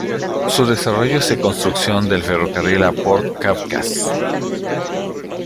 Su desarrollo se construcción del ferrocarril a Port Kavkaz.